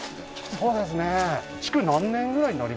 そうですね